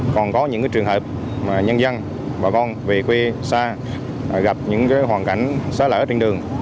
còn có những trường hợp mà nhân dân bà con về quê xa gặp những hoàn cảnh xóa lỡ trên đường